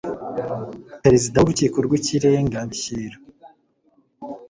Perezida w Urukiko rw Ikirenga bishyira